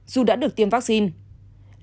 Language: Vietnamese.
dù đã được tiêm vaccine